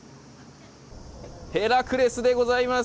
ヘラクレスでございます。